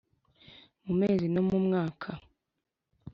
Mu mezi no mu mwaka